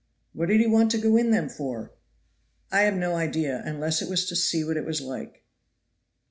"What did he want to go in them for?" "I have no idea, unless it was to see what it is like."